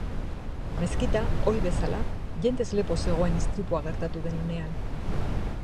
Meskita, ohi bezala, jendez lepo zegoen istripua gertatu den unean.